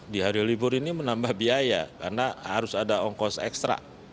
di hari libur ini menambah biaya karena harus ada ongkos ekstra